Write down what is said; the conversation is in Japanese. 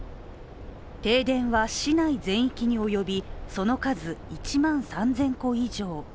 停電は市内全域に及びその数、１万３０００戸以上。